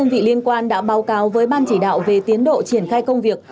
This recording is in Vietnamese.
các đơn vị liên quan đã báo cáo với ban chỉ đạo về tiến độ triển khai công việc